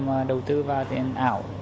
mà đầu tư vào tiền ảo